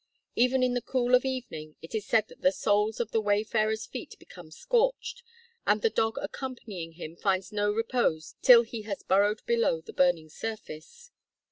Even in the cool of evening, it is said that the soles of the wayfarer's feet become scorched, and the dog accompanying him finds no repose till he has burrowed below the burning surface.